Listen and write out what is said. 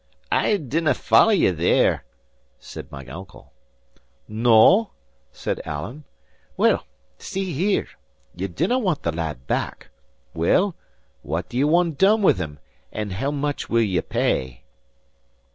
"I dinnae follow ye there," said my uncle. "No?" said Alan. "Well, see here: you dinnae want the lad back; well, what do ye want done with him, and how much will ye pay?"